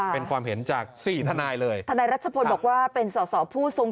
เป็นความเห็นจากสี่ทนายเลยทนายรัชพลบอกว่าเป็นสอสอผู้ทรง